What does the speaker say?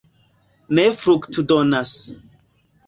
ne fruktodonas.